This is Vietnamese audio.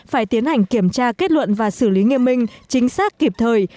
phải tiến hành kiểm tra kết luận và xử lý nghiêm minh chính xác kịp thời